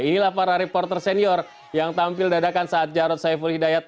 inilah para reporter senior yang tampil dadakan saat jarod saiful hidayat